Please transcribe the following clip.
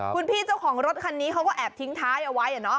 คุณพี่เจ้าของรถคันนี้เขาก็แอบทิ้งท้ายเอาไว้